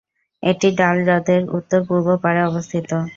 এটি ডাল হ্রদের উত্তর-পূর্ব পাড়ে অবস্থিত।।